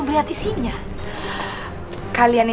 ayah beli aku motor dong